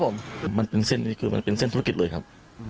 ผมมันเป็นเส้นนี้คือมันเป็นเส้นธุรกิจเลยครับ